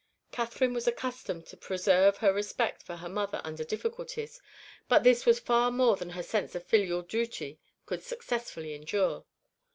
Catherine was accustomed to preserve her respect for her mother under difficulties; but this was far more than her sense of filial duty could successfully endure.